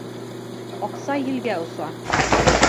Аҡса елгә оса.